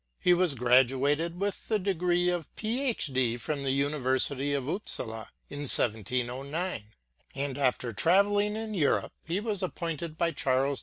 He was graduated with the degree of Ph.D. from the University of Upsala in 1709, and after traveling in Europe he was appointed by Charles II.